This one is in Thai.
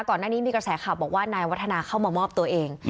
ก่อนหน้านี้มีกระแสข่าวบอกว่านายวัฒนาเข้ามามอบตัวเอง